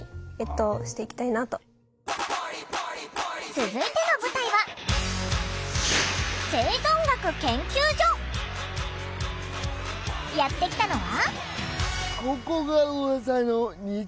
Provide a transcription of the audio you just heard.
続いての舞台はやって来たのは。